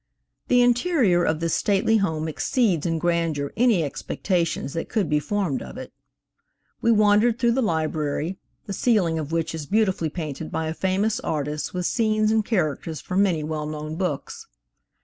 The interior of this stately home exceeds in grandeur any expectations that could be formed of it. We wandered through the library, the ceiling of which is beautifully painted by a famous artist with scenes and characters from many well known books.